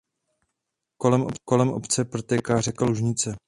Kolem obce protéká řeka Lužnice.